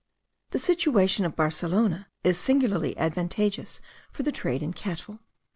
The situation of Barcelona is singularly advantageous for the trade in cattle.